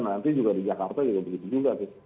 nanti juga di jakarta juga begitu juga